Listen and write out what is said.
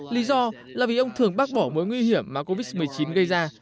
lý do là vì ông thường bác bỏ mối nguy hiểm mà covid một mươi chín gây ra